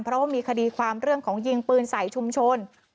เพราะว่ามีคดีความเรื่องของยิงปืนใส่ชุมชน